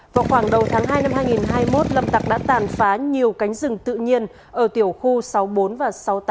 vào khoảng đầu tháng hai năm hai nghìn hai mươi một lâm tặc đã tàn phá nhiều cánh rừng tự nhiên ở tiểu khu sáu mươi bốn và sáu mươi tám